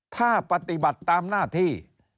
ถ้าปฏิบัติตามหน้าที่